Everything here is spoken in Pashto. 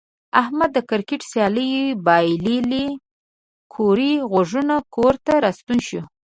احمد د کرکټ سیالي بایللې کوړی غوږونه کور ته راستون شو.